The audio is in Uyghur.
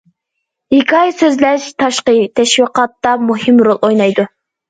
ھېكايە سۆزلەش تاشقى تەشۋىقاتتا مۇھىم رول ئوينايدۇ.